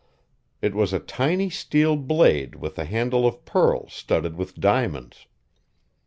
It was a tiny steel blade with a handle of pearl studded with diamonds.